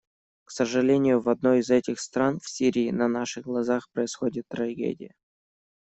К сожалению, в одной из этих стран — в Сирии — на наших глазах происходит трагедия.